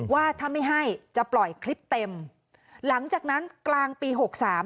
ว่าถ้าไม่ให้จะปล่อยคลิปเต็มหลังจากนั้นกลางปีหกสาม